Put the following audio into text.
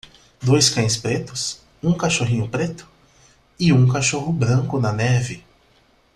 Dois cães pretos? um cachorrinho preto? e um cachorro branco na neve.